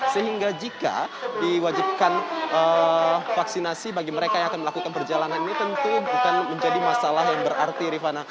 sehingga jika diwajibkan vaksinasi bagi mereka yang akan melakukan perjalanan ini tentu bukan menjadi masalah yang berarti rifana